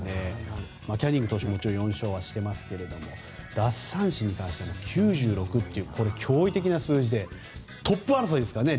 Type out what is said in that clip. キャニング投手も４勝はしてますが奪三振に関しても９６という驚異的な数字でトップ争いですからね。